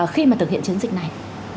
khi mà thực hiện chiến dịch này